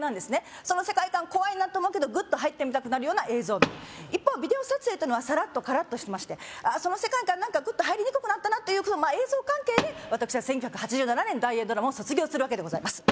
その世界観怖いなと思うけどグッと入ってみたくなる映像美一方ビデオ撮影ってのはサラッとカラッとしてましてその世界観何かグッと入りにくくなったなという映像関係で私は１９８７年大映ドラマを卒業するわけでございます